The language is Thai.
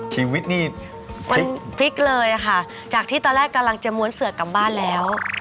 ชีวิตนี่มันพลิกเลยค่ะจากที่ตอนแรกกำลังจะม้วนเสือกกลับบ้านแล้ว